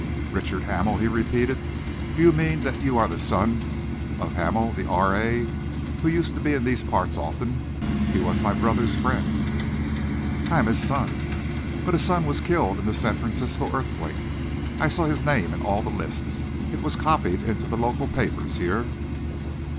"Richard Hamel," he repeated. "Do you mean that you are the son of Hamel, the R.A., who used to be in these parts so often? He was my brother's friend." "I am his son." "But his son was killed in the San Francisco earthquake. I saw his name in all the lists. It was copied into the local papers here."